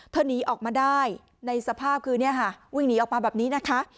หนีออกมาได้ในสภาพคือเนี่ยค่ะวิ่งหนีออกมาแบบนี้นะคะ